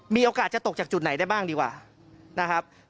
มีโอกาสจะตกจากจุดไหนได้บ้างดีกว่านะครับ